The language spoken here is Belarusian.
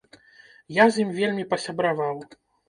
Я з ім вельмі пасябраваў.